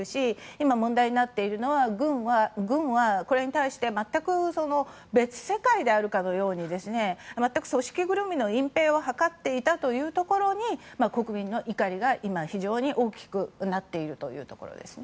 今、問題になっているのは軍はこれに対して全く別世界であるかのように全く組織ぐるみの隠ぺいを図っていたということに国民の怒りが今、非常に大きくなっているというところですね。